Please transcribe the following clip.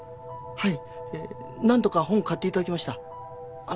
はい。